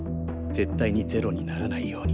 絶対に０にならないように。